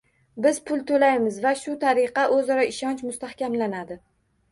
Biz pul toʻlaymiz va shu tariqa oʻzaro ishonch mustahkamlanadi.